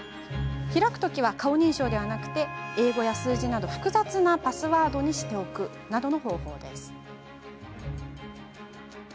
開くときは顔認証ではなくて英語や数字の複雑なパスワードにするなどの方法です。